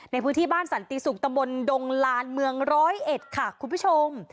ในพื้นที่บ้านสันติศุกร์ตะบนดงลานเมืองร้อยเอ็ดค่ะคุณผู้ชม